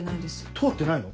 通ってないの？